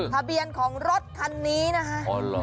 ทะเบียนของรถคันนี้นะคะ